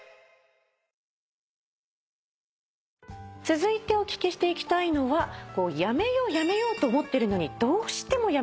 続いてお聞きしていきたいのはやめようやめようと思ってるのにどうしてもやめられないこと。